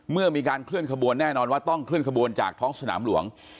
เมื่อมีการเคลื่อนขบวนแน่นอนว่าต้องเคลื่อนขบวนจากท้องสนามหลวง